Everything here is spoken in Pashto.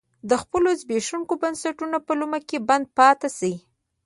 د خپلو زبېښونکو بنسټونو په لومه کې بند پاتې شي.